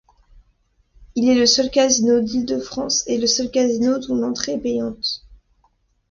Il est le seul casino d'Île-de-France et le seul casino dont l'entrée est payante.